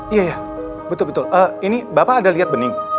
iya ya betul betul ini bapak ada lihat bening